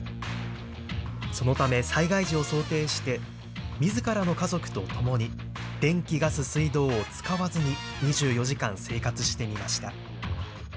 そのため災害時を想定してみずからの家族とともに電気、ガス、水道を使わずに２４時間生活してみました。